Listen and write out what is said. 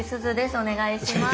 お願いします。